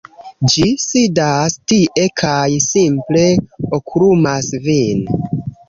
ĝi sidas tie kaj simple okulumas vin.